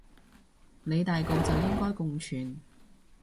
理大局就應該共存